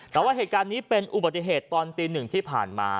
แต่ว่าเหตุการณ์นี้เป็นอุบัติเหตุตอนตีหนึ่งที่ผ่านมา